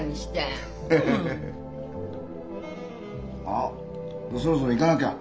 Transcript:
あっそろそろ行かなきゃ。